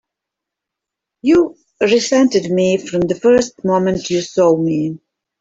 You've resented me from the first moment you saw me!